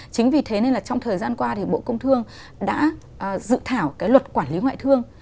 chính vì thế nên là trong thời gian qua thì bộ công thương đã dự thảo cái luật quản lý ngoại thương